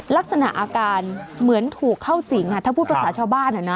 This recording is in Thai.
ลักษณะอาการเหมือนถูกเข้าสิงถ้าพูดภาษาชาวบ้าน